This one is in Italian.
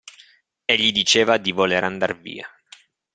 Egli diceva di voler andar via.